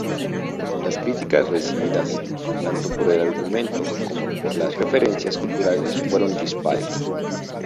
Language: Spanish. Las críticas recibidas, tanto por el argumento como por las referencias culturales fueron dispares.